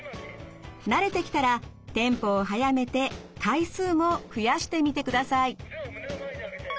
慣れてきたらテンポを速めて回数も増やしてみてください。